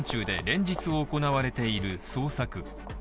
連日行われている捜索。